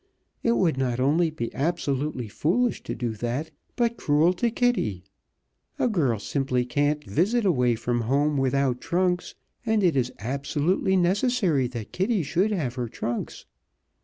It would not only be absolutely foolish to do that, but cruel to Kitty. A girl simply can't visit away from home without trunks, and it is absolutely necessary that Kitty should have her trunks."